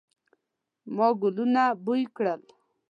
ما ګلونه بوی کړل